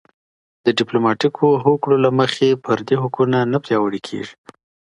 د ډیپلوماټیکو هوکړو له مخې فردي حقونه نه پیاوړي کیږي.